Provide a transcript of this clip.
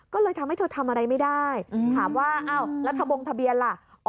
ก็เลยทำให้เธอทำอะไรไม่ได้ถามว่าอ้าวแล้วทะบงทะเบียนล่ะ